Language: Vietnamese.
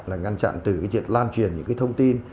là ngăn chặn từ cái chuyện loan truyền những cái thông tin